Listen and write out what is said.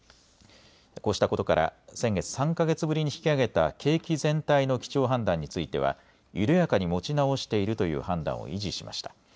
こうしたことから先月３か月ぶりに引き上げた景気全体の基調判断については緩やかに持ち直しているという判断を維持しました。